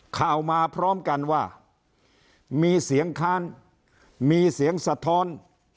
ข่าวมาพร้อมกันว่ามีเสียงค้านมีเสียงสะท้อน